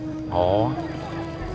enggak saya bawanya cuma sedikit